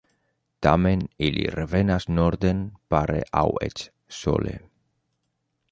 Tamen ili revenas norden pare aŭ eĉ sole.